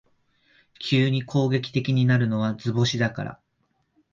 急に攻撃的になるのは図星だから